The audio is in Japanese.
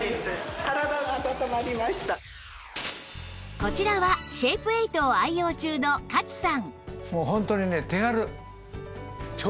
こちらはシェイプエイトを愛用中の勝さん